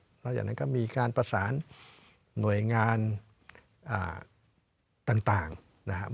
หลังจากนั้นก็มีการประสานหน่วยงานต่างนะครับ